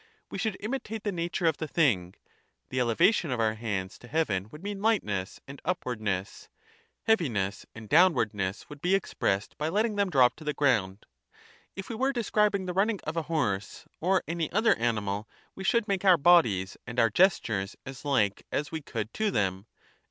We should imitate the nature of the thing ; the elevation of our hands to heaven would mean lightness and upwardness ; heaviness and downwardness would be ex pressed by letting them drop to the ground ; if we were describing the running of a horse, or any other animal, we should make our bodies and our gestures as like as we could to them.